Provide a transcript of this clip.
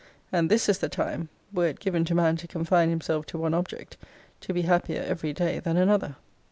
And this is the time, were it given to man to confine himself to one object, to be happier every day than another.